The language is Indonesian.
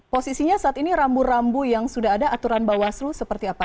posisinya saat ini rambu rambu yang sudah ada aturan bawaslu seperti apa